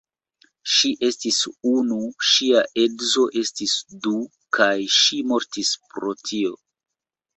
Ŝi estis unu, ŝia edzo estis du; kaj ŝi mortis pro tio.